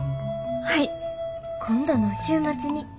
はい今度の週末に。